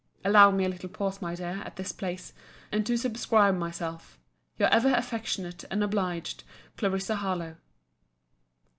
Allow me a little pause, my dear, at this place; and to subscribe myself Your ever affectionate and obliged, CLARISSA HARLOWE.